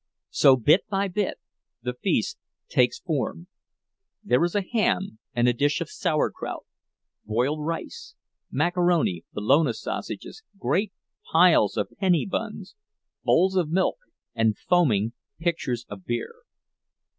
So, bit by bit, the feast takes form—there is a ham and a dish of sauerkraut, boiled rice, macaroni, bologna sausages, great piles of penny buns, bowls of milk, and foaming pitchers of beer.